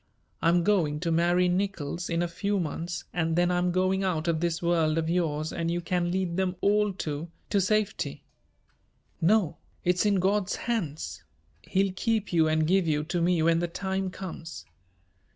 "I'm going to marry Nickols in a few months and then I'm going out of this world of yours and you can lead them all to to safety." "No, it's in God's hands. He'll keep you and give you to me when the time comes.